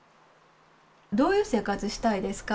どういう生活したいですか？